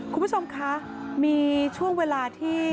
คุณผู้ชมคะมีช่วงเวลาที่